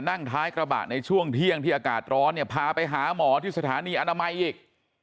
นั่งท้ายกระบะในช่วงเที่ยงที่อากาศร้อนเนี่ยพาไปหาหมอที่สถานีอนามัยอีก